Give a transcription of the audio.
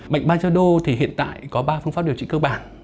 bệnh bajado thì hiện tại có ba phương pháp điều trị cơ bản